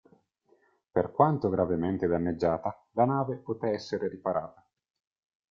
Per quanto gravemente danneggiata, la nave poté essere riparata.